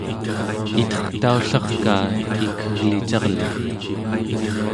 itertaullerkaa ikeglicarluku